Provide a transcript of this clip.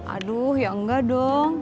aduh ya enggak dong